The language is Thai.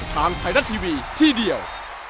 ทางไทยรัฐทีวีที่เดียว